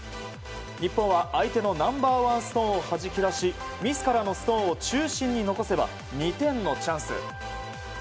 日本は相手のナンバーワンストーンをはじき出し自らのストーンを中心に残せば２点のチャンス。